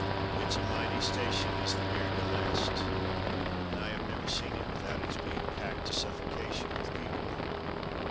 It's a mighty station, is the Gare de L'Est, and I have never seen it without its being packed to suffocation with people.